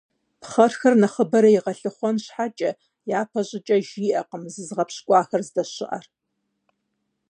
Пхъэрхэр нэхъыбэрэ игъэлъыхъуэн щхьэкӀэ, япэ щӀыкӀэ жиӀэркъым зызыгъэпщкӀуахэр здэщыӀэр.